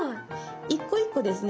一個一個ですね